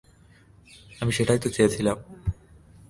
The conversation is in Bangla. আমি সেটাই তো চেয়েছিলাম।